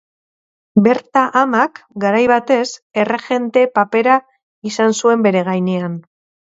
Berta amak, garai batez, erregente papera izan zuen bere gainean.